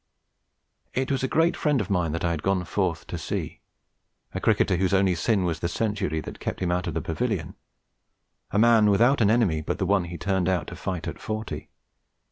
It was a great friend of mine that I had gone forth to see: a cricketer whose only sin was the century that kept him out of the pavilion: a man without an enemy but the one he turned out to fight at forty.